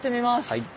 はい。